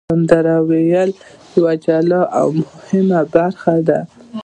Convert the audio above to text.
سندرې ویل یوه جلا او مهمه برخه ده.